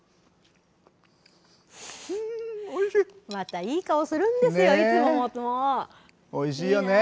またいい顔するんですよ、いおいしいよね。